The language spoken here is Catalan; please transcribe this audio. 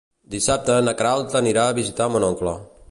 Dissabte na Queralt anirà a visitar mon oncle.